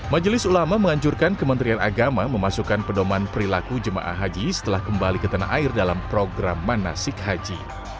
majelis ulama menganjurkan kementerian agama memasukkan pedoman perilaku jemaah haji setelah kembali ke tanah air dalam program manasik haji